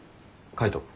海斗。